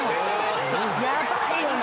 ヤバいよな。